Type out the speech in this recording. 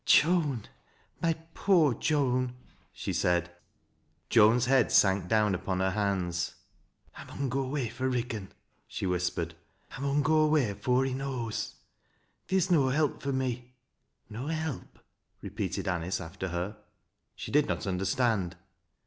" Joan ! my poor Joa'i !" she said. Joan's head sank down upon lier hands. " I mun go away fro' Kiggan," she whispered. " I mun |o away afore he knows. Theer's no help fur me." " If help ?" repeated Anice after her. She did not understand.